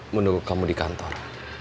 menunggu kamu di kantor